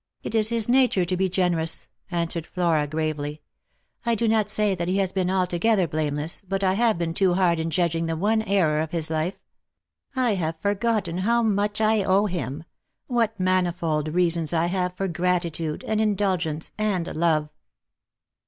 " It is his nature to be generous," answered Flora gravely. " I do not say that he has been altogether blameless, but I have been too hard in judging the one error of his life. I have for gotten how much I owe him, what manifold reasons I have for gratitude, and indulgence, and love."